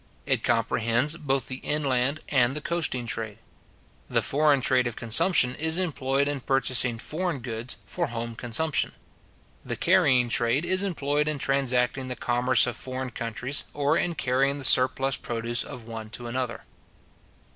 It comprehends both the inland and the coasting trade. The foreign trade of consumption is employed in purchasing foreign goods for home consumption. The carrying trade is employed in transacting the commerce of foreign countries, or in carrying the surplus produce of one to another.